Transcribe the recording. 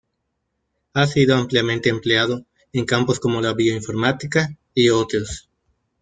Ha sido ampliamente empleado en campos como la bioinformática y otros.